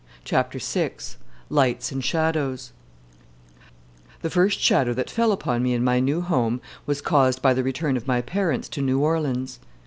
Chapter Six Lights and Shadows The first shadow that fell upon me in my new home was caused by the return of my parents to New Orleans.